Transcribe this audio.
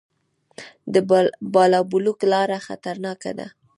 د بالابلوک لاره خطرناکه ده